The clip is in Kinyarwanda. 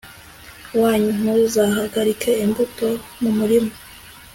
wanyu ntuzahagarika imbuto mu murima